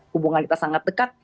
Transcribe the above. hubungan kita sangat dekat